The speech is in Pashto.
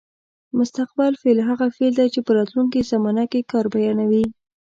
مستقبل فعل هغه فعل دی چې په راتلونکې زمانه کې کار بیانوي.